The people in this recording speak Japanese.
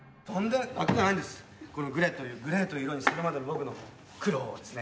このグレーという色にするまでの僕の苦労をですね